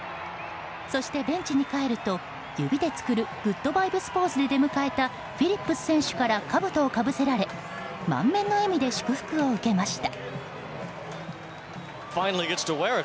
そしてベンチに帰ると、指で作るグッドバイブスポーズで出迎えたフィリップス選手からかぶとをかぶせられ満面の笑みで祝福を受けました。